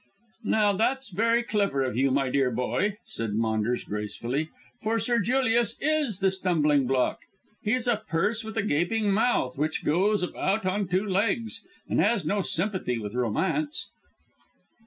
"Now that's very clever of you, my dear boy," said Maunders gracefully, "for Sir Julius is the stumbling block. He's a purse with a gaping mouth, which goes about on two legs, and has no sympathy with romance."